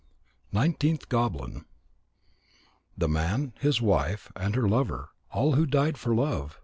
NINETEENTH GOBLIN _The Man, his Wife, and her Lover, who all died for Love.